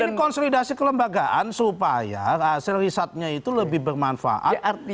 dari konsolidasi kelembagaan supaya hasil risetnya itu lebih bermanfaat